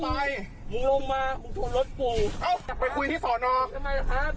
มึงลงมามึงถูกรถปู